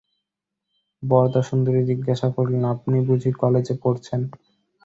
বরদাসুন্দরী জিজ্ঞাসা করিলেন, আপনি বুঝি কলেজে পড়ছেন?